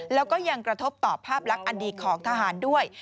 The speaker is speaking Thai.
แล้วก็ยังกระทบต่อภาพลักษณ์อันดีของทหารด้วย